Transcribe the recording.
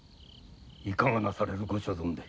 いかがなされるご所存で？